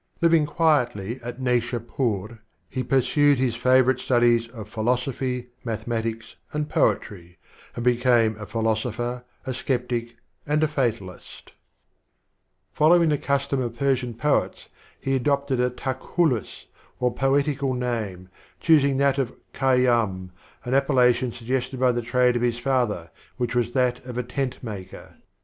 Living quietly at Naishupur, he pursued his favorite studies of philosophj', mathematics and poetry, and became a philosopher, a skeptic and a fatalist Following the custom of Persian poets, he adopted a Talchallus or poetical name, choosing that of Khayydm, an appellation suggested by the trade of his father, which was that of a tent maker.